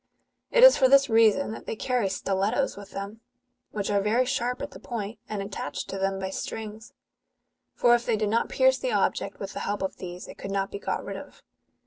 It is for this reason that they carry stilettos with them,"' which are very sharp at the point, and attached to them by strings ; for if they did not pierce the object with the help of these, it could not be got rid of.